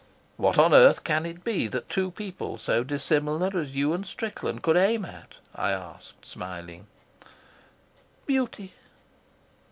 "What on earth can it be that two people so dissimilar as you and Strickland could aim at?" I asked, smiling. "Beauty."